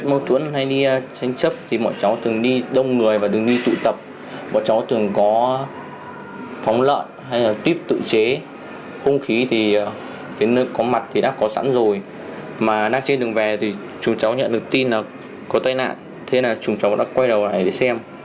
mà đang trên đường về thì chúng cháu nhận được tin là có tai nạn thế là chúng cháu đã quay đầu lại để xem